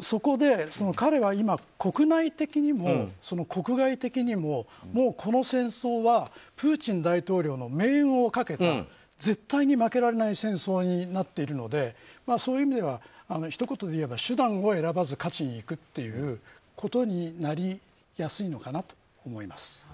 そこで彼は今、国内的にも国外的にも、この戦争はプーチン大統領の命運をかけた絶対に負けられない戦争になっているのでそういう意味ではひと言で言えば手段を選ばず勝ちにいくということになりやすいのかなと思います。